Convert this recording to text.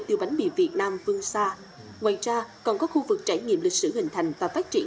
tiêu bánh mì việt nam vương xa ngoài ra còn có khu vực trải nghiệm lịch sử hình thành và phát triển